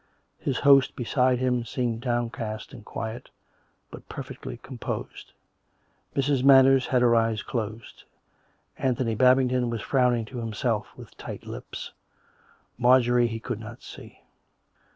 His host beside him seemed downcast and quiet, but perfectly composed. Mrs. Manners had her eyes closed; Anthony Babington was frowning to himself with tight lips; Marjorie he could not see.